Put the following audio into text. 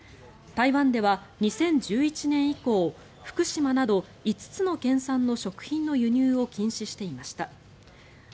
台湾では２０１１年以降福島など５つの県産の食品の輸入を禁止していました。